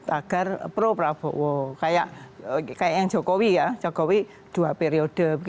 agar pro prabowo kayak yang jokowi ya jokowi dua periode